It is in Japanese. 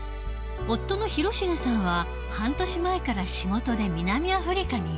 夫の広重さんは半年前から仕事で南アフリカにいる。